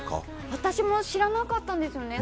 私も知らなかったんですよね。